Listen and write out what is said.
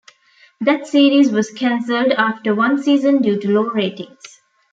That series was canceled after one season due to low ratings.